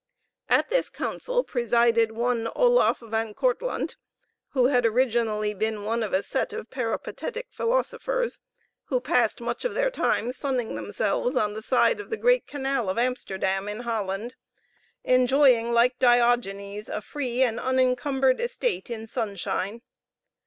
At this council presided one Oloffe Van Kortlandt, who had originally been one of a set of peripatetic philosophers who passed much of their time sunning themselves on the side of the great canal of Amsterdam in Holland; enjoying, like Diogenes, a free and unencumbered estate in sunshine.